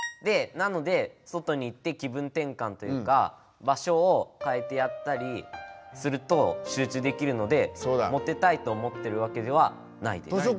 なので外に行って気分てんかんというか場所をかえてやったりすると集中できるのでモテたいと思ってるわけではないです。